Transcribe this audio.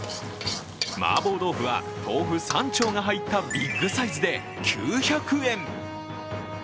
マーボー豆腐は豆腐３丁が入ったビッグサイズで９００円。